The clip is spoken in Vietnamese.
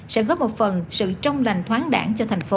sẽ góp một phần sự trong lành thoáng đảng cho thành phố